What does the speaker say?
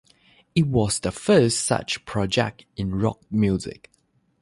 It was the first such project in rock music.